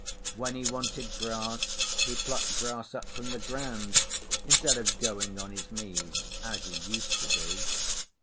When he wanted grass he plucked grass up from the ground, instead of going on his knees as he used to do.